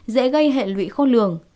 dễ gây hệ lụy khô lường